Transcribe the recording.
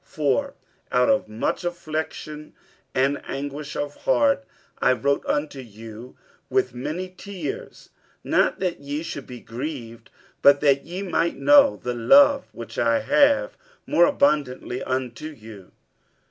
47:002:004 For out of much affliction and anguish of heart I wrote unto you with many tears; not that ye should be grieved, but that ye might know the love which I have more abundantly unto you.